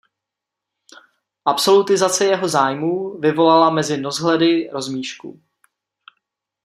Absolutizace jeho zájmů vyvolala mezi noshledy rozmíšku.